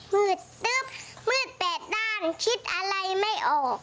มืดตึ๊บมืดแปดด้านคิดอะไรไม่ออก